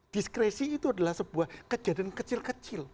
diskresi itu adalah sebuah kejadian kecil kecil